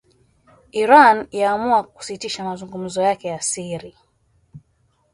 Iran yaamua kusitisha mazungumzo yake ya siri